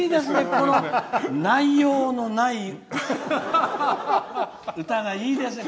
この内容のない歌がいいですね。